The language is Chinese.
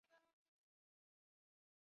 北方的亚种的头顶盖颜色较浅。